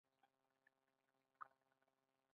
کلیسا پراخې ځمکې یې په واک کې لرلې.